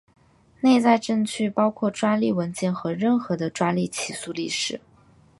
内在证据包括专利文件和任何的专利起诉历史。